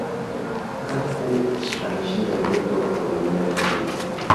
cafu ameshinda ubingwa wa dunia mara mbili